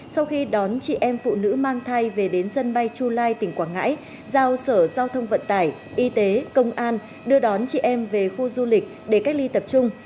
sau khi đón chị em phụ nữ mang thai về đến sân bay chu lai tỉnh quảng ngãi giao sở giao thông vận tải y tế công an đưa đón chị em về khu du lịch để cách ly tập trung